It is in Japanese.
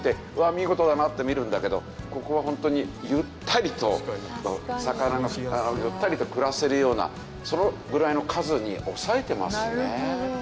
見事だなって見るんだけどここは本当にゆったりと魚がゆったりと暮らせるようなそのぐらいの数に抑えてますね。